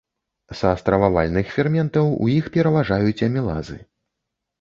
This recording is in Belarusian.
Са стрававальных ферментаў у іх пераважаюць амілазы.